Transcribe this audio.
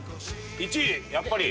１位やっぱり。